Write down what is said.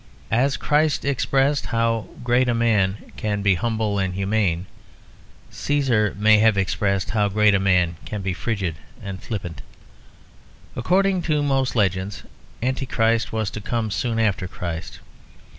As Christ expressed how great a man can be humble and humane, Cæsar may have expressed how great a man can be frigid and flippant. According to most legends Antichrist was to come soon after Christ.